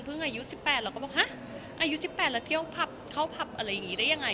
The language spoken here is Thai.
อายุ๑๘เราก็บอกฮะอายุ๑๘แล้วเที่ยวผับเข้าผับอะไรอย่างนี้ได้ยังไง